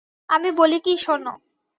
আমি বলি কি শোনো।